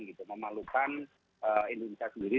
gitu memalukan indonesia sendiri